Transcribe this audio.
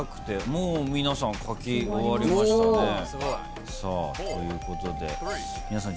もう皆さん書き終わりましたね。ということで皆さん自信ありなんでしょうか。